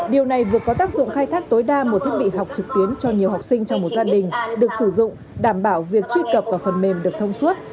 điều này vừa có tác dụng khai thác tối đa một thiết bị học trực tuyến cho nhiều học sinh trong một gia đình được sử dụng đảm bảo việc truy cập vào phần mềm được thông suốt